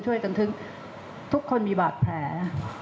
ช่วยกันทุกคนมีบาดแผล